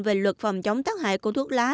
về luật phòng chống tác hại của thuốc lá